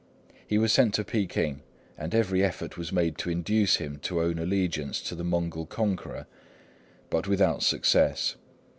He was sent to Peking, and every effort was made to induce him to own allegiance to the Mongol conqueror, but without success.